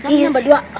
iya nambah dua